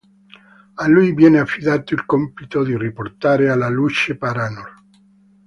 A lui viene affidato il compito di riportare alla luce Paranor.